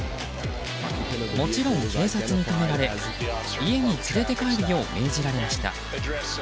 もちろん警察に止められ家に連れて帰るよう命じられました。